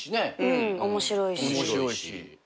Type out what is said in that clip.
面白いし。